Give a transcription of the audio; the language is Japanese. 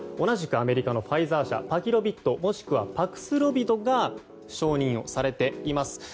同じくアメリカ、ファイザー社パキロビッドもしくはパクスロビドが承認されています。